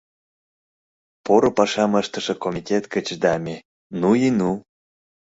Поро пашам ыштыше комитет гыч даме, ну и ну!